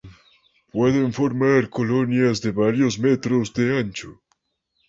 Pueden formar colonias de varios metros de ancho.